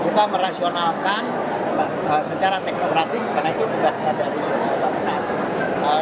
kita merasionalkan secara teknokratis karena itu tugasnya dari pemerintah